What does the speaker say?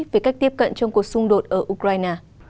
về cách tiếp cận trong cuộc xung đột ở ukraine